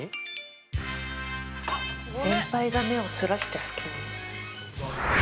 先輩が目をそらした隙に